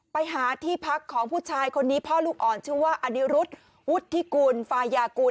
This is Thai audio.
ไปหาที่พักของผู้ชายคนนี้พ่อลูกอ่อนชื่อว่าอนิรุธวุฒิกุลฟายากูล